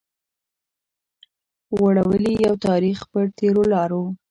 غوړولي يو تاريخ پر تېرو لارو